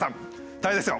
大変ですよ。